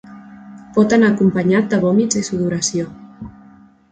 Pot anar acompanyat de vòmits i sudoració.